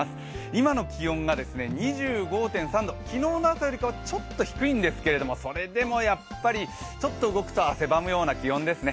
今の気温が２５．３度、昨日の朝よりかはちょっと低いんですけども、それでもやっぱりちょっと動くと汗ばむような気温ですね。